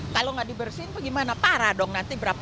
kalau nggak dibersihin bagaimana parah dong nanti berapa